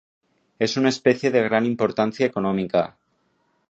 Es una especie de gran importancia económica.